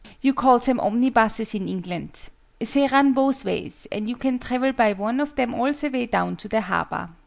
"You call them omnibuses in England. They run both ways, and you can travel by one of them all the way down to the harbour."